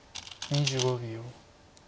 ２５秒。